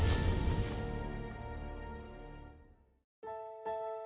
nih ini udah gampang